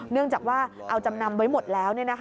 เนื่องจากว่าเอาจำนำไว้หมดแล้ว